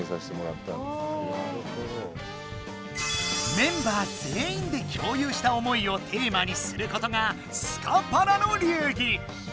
メンバーぜんいんできょうゆうした思いをテーマにすることがスカパラの流儀。